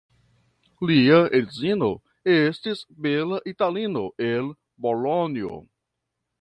Lia edzino estis bela Italino el Bolonjo.